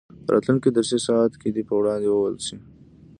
په راتلونکي درسي ساعت کې دې په وړاندې وویل شي.